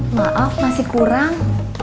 maaf masih kurang